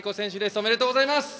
おめでとうございます。